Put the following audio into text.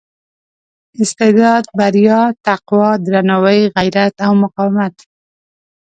استعداد بریا تقوا درناوي غیرت او مقاومت.